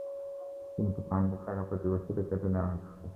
কিন্তু, ফান্ডের টাকা প্রতি বছরই কেটে নেয়া হচ্ছে।